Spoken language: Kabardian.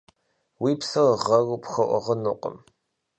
Уи псэр гъэру пхуэӏыгъынукъым.